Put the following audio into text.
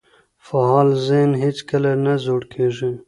فعال ذهن هیڅکله نه زوړ کیږي.